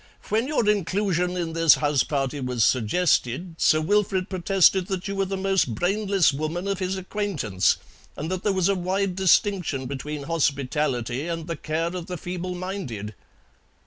"When your inclusion in this house party was suggested Sir Wilfrid protested that you were the most brainless woman of his acquaintance, and that there was a wide distinction between hospitality and the care of the feeble minded.